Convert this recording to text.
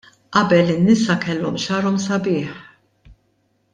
Qabel in-nisa kellhom xagħarhom sabiħ.